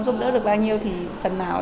giúp đỡ được bao nhiêu thì phần nào